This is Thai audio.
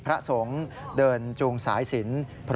พระสงฆ์เดินจูงสายสิน